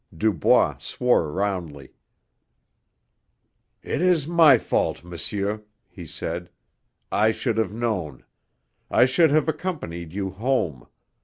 Dubois swore roundly. "It is my fault, monsieur," he said. "I should have known. I should have accompanied you home.